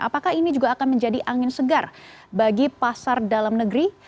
apakah ini juga akan menjadi angin segar bagi pasar dalam negeri